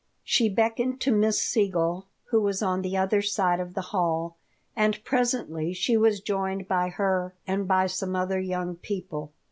She beckoned to Miss Siegel, who was on the other side of the hall, and presently she was joined by her and by some other young people.